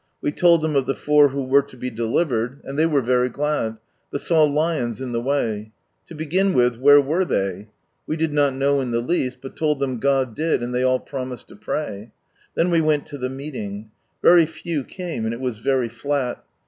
We told them of the four who were to be delivered, and they were very glad, but saw lions in the way. To begin with, where were they ? We did not know in the least, but told them God did, and they all promised lo pray. Then we went to the meeting. Very few came, and it was very flat.